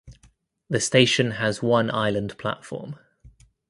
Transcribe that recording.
The station has one island platform.